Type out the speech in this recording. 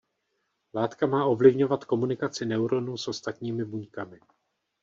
Látka má ovlivňovat komunikaci neuronů s ostatními buňkami.